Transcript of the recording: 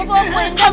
bu wendang bu wendang